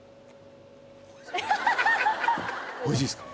おいしいっすか？